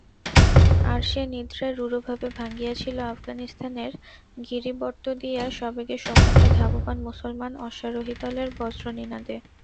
আর সে-নিদ্রা রূঢ়ভাবে ভাঙিয়াছিল আফগানিস্তানের গিরিবর্ত্ম দিয়া সবেগে সম্মুখে ধাবমান মুসলমান অশ্বারোহিদলের বজ্রনিনাদে।